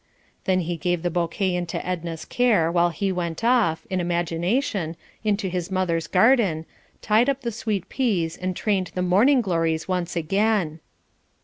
Then he gave the bouquet into Edna's care while he went off, in imagination, into his mother's garden, tied up the sweet peas and trained the morning glories once again.